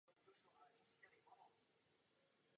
To daňovým poplatníkům nedokážeme zdůvodnit.